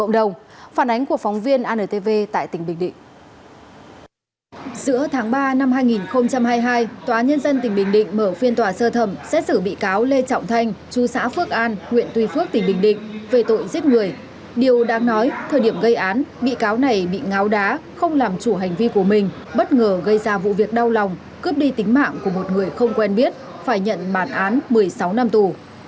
điều đang nói thời điểm gây án bị cáo này bị ngáo đá không làm chủ hành vi của mình bất ngờ gây ra vụ việc đau lòng cướp đi tính mạng của một người không quen biết phải nhận bản án một mươi sáu năm tù